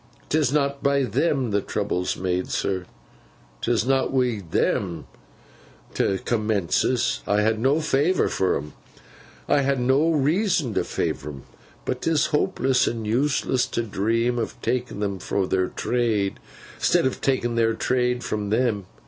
'Tis not by them the trouble's made, sir. 'Tis not wi' them 't commences. I ha no favour for 'em—I ha no reason to favour 'em—but 'tis hopeless and useless to dream o' takin them fro their trade, 'stead o' takin their trade fro them!